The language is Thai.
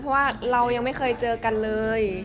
เพราะว่าเรายังไม่เคยเจอกันเลย